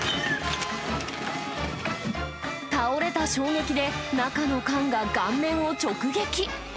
倒れた衝撃で、中の缶が顔面を直撃。